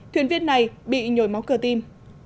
thuyền viên này bị nhồi máu cờ tim